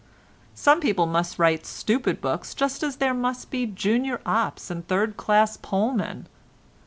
Some people must write stupid books just as there must be junior ops and third class poll men.